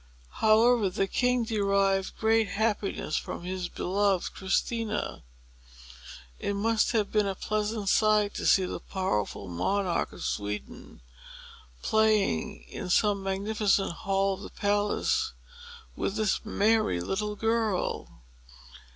However, the king derived great happiness from his beloved Christina. It must have been a pleasant sight to see the powerful monarch of Sweden playing in some magnificent hall of the palace with this merry little girl.